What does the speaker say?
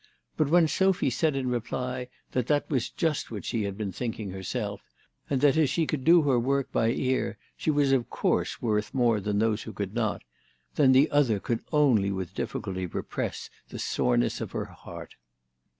But when Sophy said in reply that that was just what she had been thinking herself, and that as she could do her work by ear she was of course worth more than those who could not, then the other could only with difficulty repress the soreness of her heart.